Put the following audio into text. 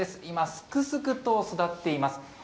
今、すくすくと育っています。